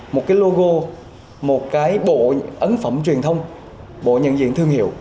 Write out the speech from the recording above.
một cái logo một cái bộ ấn phẩm truyền thông bộ nhận diện thương hiệu